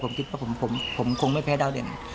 ผมคิดว่าผมคงไม่แพ้ดาวเด่น